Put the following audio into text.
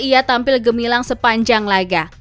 ia tampil gemilang sepanjang laga